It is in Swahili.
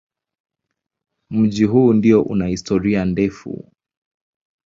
Mji huu mdogo una historia ndefu.